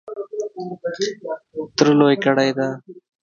تره لوی کړی دی .